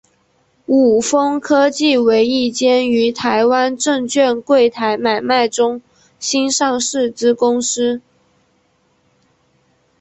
伍丰科技为一间于台湾证券柜台买卖中心上市之公司。